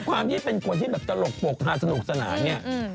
ด้วยความที่เป็นคนที่ตลกปกหาสนุกสนานนี่